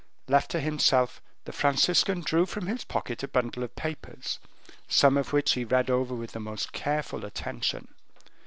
Left to himself, the Franciscan drew from his pocket a bundle of papers, some of which he read over with the most careful attention.